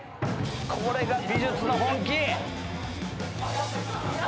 これが美術の本気！